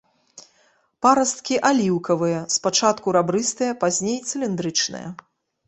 Парасткі аліўкавыя, спачатку рабрыстыя, пазней цыліндрычныя.